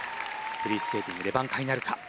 フリースケーティングで挽回なるか。